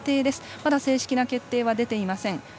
まだ正式な決定は出ていません。